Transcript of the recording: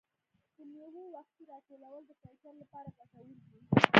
د مېوو وختي راټولول د کیفیت لپاره ګټور دي.